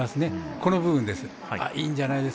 この部分です。